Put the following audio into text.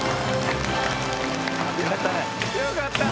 よかったね！